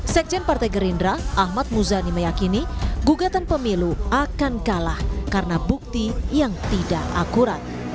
sekjen partai gerindra ahmad muzani meyakini gugatan pemilu akan kalah karena bukti yang tidak akurat